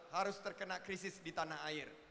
harus terkena krisis di tanah air